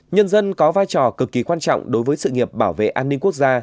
nhân dân có vai trò cực kỳ quan trọng đối với sự nghiệp bảo vệ an ninh quốc gia